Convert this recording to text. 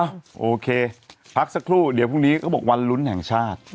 โอเคพักสักครู่เดี๋ยวพรุ่งนี้เขาบอกวันลุ้นแห่งชาติ